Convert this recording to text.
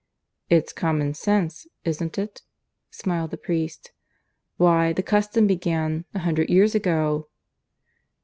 "It's common sense, isn't it?" smiled the priest. "Why, the custom began a hundred years ago."